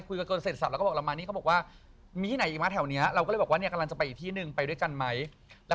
คุยกับหน้าปากซอยเลย